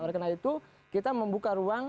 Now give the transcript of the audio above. oleh karena itu kita membuka ruang